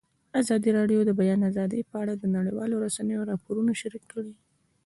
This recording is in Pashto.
ازادي راډیو د د بیان آزادي په اړه د نړیوالو رسنیو راپورونه شریک کړي.